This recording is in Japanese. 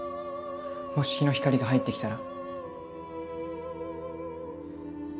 もし日の光が入ってきたら。